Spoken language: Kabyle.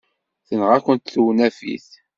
Tenɣa-kent tewnafit.